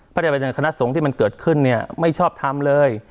พระราชบัญญัติคณะสงฆ์ที่มันเกิดขึ้นเนี่ยไม่ชอบทำเลย